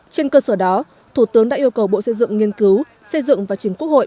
trên cơ sở đó thủ tướng đã yêu cầu bộ xây dựng nghiên cứu xây dựng và chính quốc hội